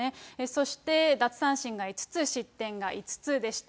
そして、奪三振が５つ、失点が５つでした。